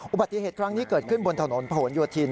อุบัติเหตุครั้งนี้เกิดขึ้นบนถนนผนโยธิน